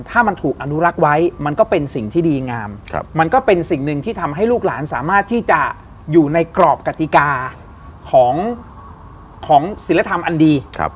ถ้ามันถูกอนุรักษ์ไว้มันก็เป็นสิ่งที่ดีงามมันก็เป็นสิ่งหนึ่งที่ทำให้ลูกหลานสามารถที่จะอยู่ในกรอบกติกาของศิลธรรมอันดี